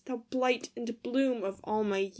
Thou blight and bloom of all my years